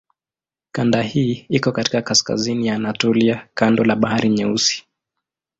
Kanda hii iko katika kaskazini ya Anatolia kando la Bahari Nyeusi.